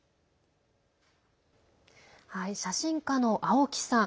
写真家の青木さん。